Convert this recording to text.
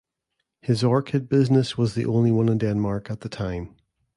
His orchid business was the only one in Denmark at the time.